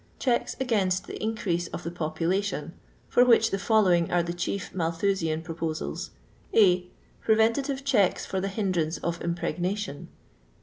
Checks against the increase of the popula tion, for which the following are the chief Malthusian proposals :— a. Preventive checks for the hindrance of impregnation.